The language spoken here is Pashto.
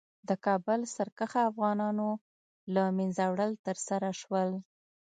د کابل سرکښه افغانانو له منځه وړل ترسره شول.